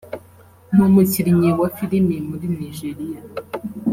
n’umukinnyi wa Filimi muri Nigeria